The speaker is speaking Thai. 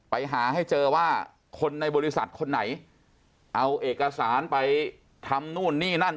ไปหาให้เจอว่าคนในบริษัทคนไหนเอาเอกสารไปทำนู่นนี่นั่น